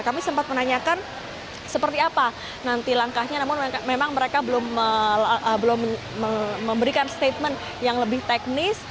kami sempat menanyakan seperti apa nanti langkahnya namun memang mereka belum memberikan statement yang lebih teknis